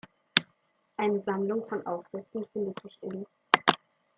Eine Sammlung von Aufsätzen findet sich in